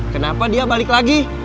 kenapa dia balik lagi